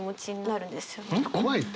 怖いって。